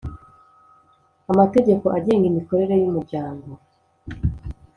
amategeko agenga imikorere y umuryango